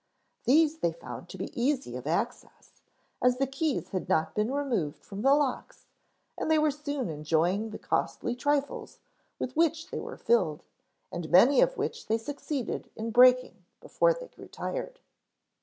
These they found to be easy of access, as the keys had not been removed from the locks, and they were soon enjoying the costly trifles with which they were filled, and many of which they succeeded in breaking before they grew tired.